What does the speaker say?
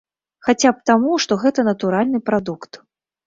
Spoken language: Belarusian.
Хаця б таму, што гэта натуральны прадукт.